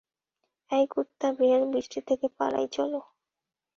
এই কুত্তা-বিড়াল বৃষ্টি থেকে পালাই চলো।